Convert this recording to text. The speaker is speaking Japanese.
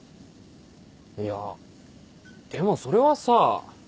いやでもそれはさ。